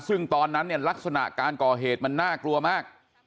ซึ่งตอนนั้นเนี่ยลักษณะการก่อเหตุมันน่ากลัวมาก